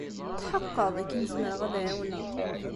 Tḥeqqeɣ d akken zemreɣ ad ɛiwneɣ.